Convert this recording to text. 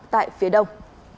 tại phía đông